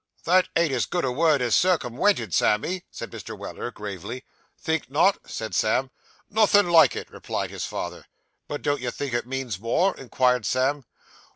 'That ain't as good a word as "circumwented," Sammy,' said Mr. Weller gravely. 'Think not?' said Sam. 'Nothin' like it,' replied his father. 'But don't you think it means more?' inquired Sam.